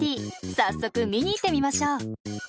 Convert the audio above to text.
早速見に行ってみましょう。